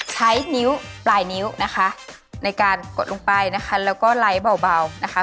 ใช้นิ้วปลายนิ้วนะคะในการกดลงไปนะคะแล้วก็ไลค์เบานะคะ